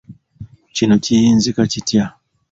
Kino kiyinzika kitya?